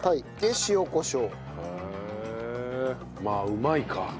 まあうまいか。